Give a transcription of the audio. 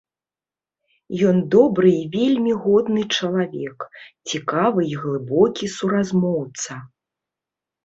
Ён добры і вельмі годны чалавек, цікавы і глыбокі суразмоўца.